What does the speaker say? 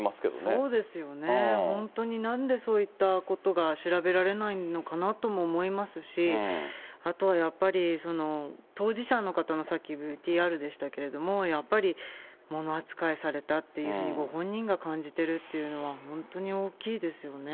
そうですよね、本当になんでそういったことが調べられないのかなとも思いますし、あとはやっぱり、当事者の方のさっきＶＴＲでしたけれども、やっぱりもの扱いされたというふうにご本人が感じているというのは、本当に大きいですよね。